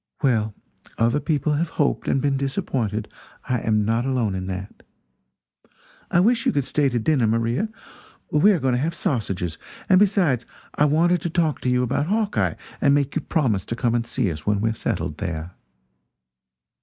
Well, other people have hoped and been disappointed; I am not alone in that. I wish you could stay to dinner, Maria we are going to have sausages; and besides, I wanted to talk to you about Hawkeye and make you promise to come and see us when we are settled there."